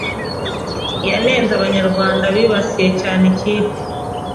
yanenze Abanyarwanda bibasiye cyane ikipe